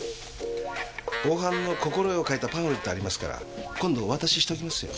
防犯の心得を書いたパンフレットありますから今度お渡ししておきますよ。